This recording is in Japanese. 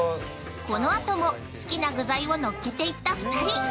◆このあとも、好きな具材をのっけていった２人。